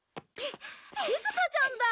しずかちゃんだ！